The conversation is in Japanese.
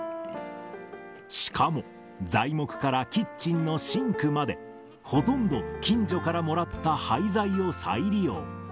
しかも、材木からキッチンのシンクまで、ほとんど近所からもらった廃材を再利用。